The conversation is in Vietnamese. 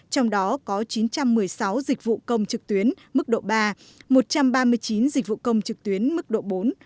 trong đó có chín trăm một mươi sáu dịch vụ công trực tuyến mức độ ba một trăm ba mươi chín dịch vụ công trực tuyến mức độ bốn